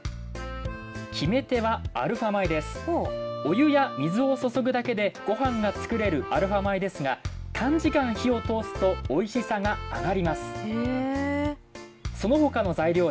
お湯や水を注ぐだけでごはんが作れるアルファ米ですが短時間火を通すとおいしさが上がりますへその他の材料です。